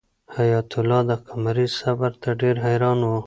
حیات الله د قمرۍ صبر ته ډېر حیران و.